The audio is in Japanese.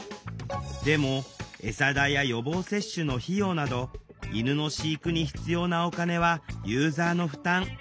でもえさ代や予防接種の費用など犬の飼育に必要なお金はユーザーの負担。